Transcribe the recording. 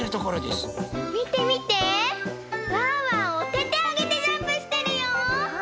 おててあげてジャンプしてるよ！